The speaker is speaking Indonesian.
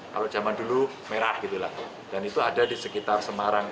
kalau zaman dulu merah gitu lah dan itu ada di sekitar semarang